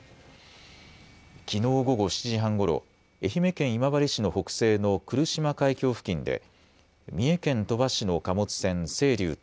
きのう午後７時半ごろ愛媛県今治市の北西の来島海峡付近で三重県鳥羽市の貨物船、せいりゅうと